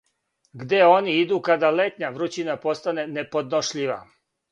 Где они иду када летња врућина постане неподношљива?